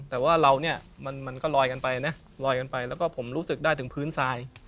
แต่ว่าเราเนี่ยมันก็ลอยกันไปนะลอยกันไปแล้วก็ผมรู้สึกได้ถึงพื้นทราย